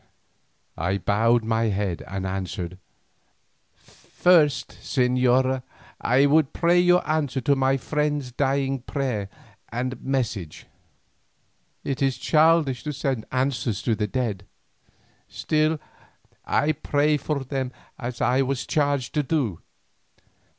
I bowed my head and answered, "First, señora, I would pray your answer to my friend's dying prayer and message." "It is childish to send answers to the dead." "Still I pray for them as I was charged to do."